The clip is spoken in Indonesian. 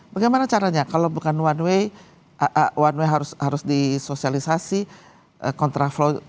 bagaimana caranya kalau bukan one way one way harus disosialisasi kontraflow